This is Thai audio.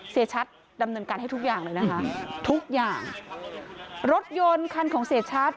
เสียชัดดำเนินการให้ทุกอย่างเลยนะคะทุกอย่างรถยนต์คันของเสียชัด